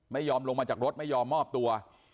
ไม่ยอมลงมาจากรถไม่ยอมมอบตัว